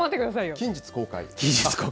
近日公開。